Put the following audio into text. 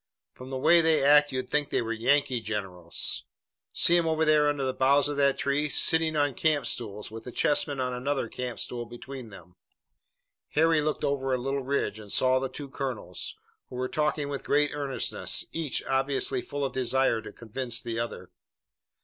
From the way they act you'd think they were Yankee generals. See 'em over there under the boughs of that tree, sitting on camp stools, with the chessmen on another camp stool between them." Harry looked over a little ridge and saw the two colonels, who were talking with great earnestness, each obviously full of a desire to convince the other.